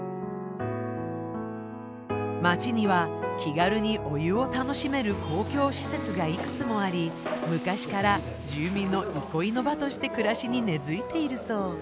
町には気軽にお湯を楽しめる公共施設がいくつもあり昔から住民の憩いの場として暮らしに根づいているそう。